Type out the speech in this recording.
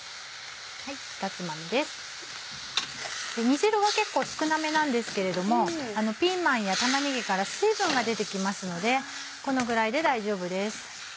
煮汁は結構少なめなんですけれどもピーマンや玉ねぎから水分が出てきますのでこのぐらいで大丈夫です。